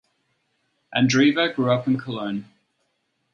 Andreeva grew up in Cologne.